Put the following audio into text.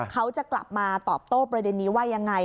เขาจะกลับมาตอบโต้ประเด็นนี้ว่ายังไง